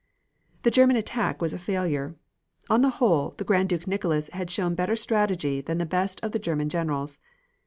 The German attack was a failure. On the whole, the Grand Duke Nicholas had shown better strategy than the best of the German generals.